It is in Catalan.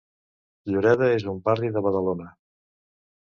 Lloreda és un barri de Badalona.